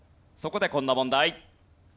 そこでこんな問題。